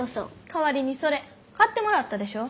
代わりにそれ買ってもらったでしょ。